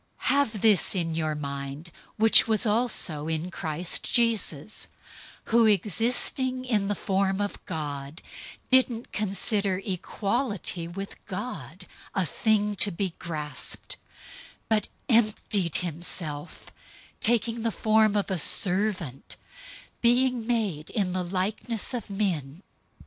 002:005 Have this in your mind, which was also in Christ Jesus, 002:006 who, existing in the form of God, didn't consider equality with God a thing to be grasped, 002:007 but emptied himself, taking the form of a servant, being made in the likeness of men.